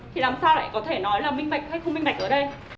thì làm sao lại có thể nói là minh bạch hay không minh bạch ở đây